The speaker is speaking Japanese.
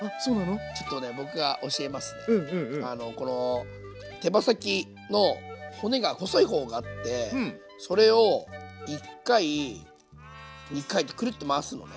この手羽先の骨が細い方があってそれを１回２回とクルッと回すのね。